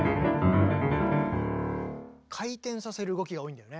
回転させる動きが多いんだよね。